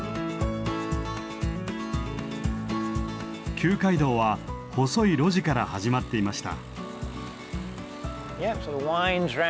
旧街道は細い路地から始まっていました。